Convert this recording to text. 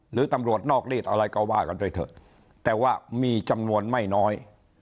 หรือตำรวจนอกรีดอะไรก็ว่ากันไปเถอะแต่ว่ามีจำนวนไม่น้อย